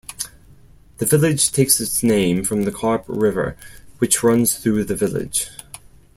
The village takes its name from the Carp River which runs through the village.